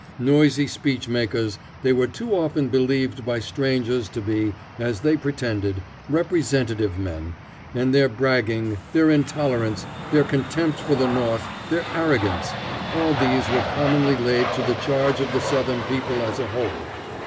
Noisy speech makers, they were too often believed by strangers to be, as they pretended, representative men, and their bragging, their intolerance, their contempt for the North, their arrogance, all these were commonly laid to the charge of the Southern people as a whole.